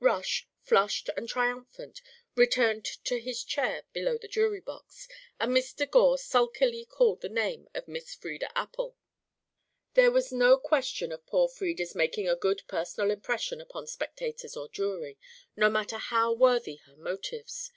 Rush, flushed and triumphant, returned to his chair below the jury box, and Mr. Gore sulkily called the name of Miss Frieda Appel. There was no question of poor Frieda's making a good personal impression upon spectators or jury, no matter how worthy her motives.